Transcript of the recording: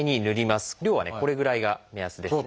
量はねこれぐらいが目安です。